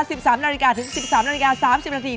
๑๓นาฬิกาถึง๑๓นาฬิกา๓๐นาที